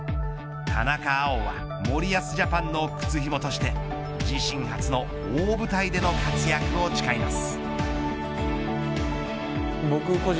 田中碧は森保ジャパンの靴ひもとして自身初の大舞台での活躍を誓います。